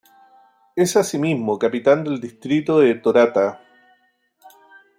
Es asimismo capital del distrito de Torata.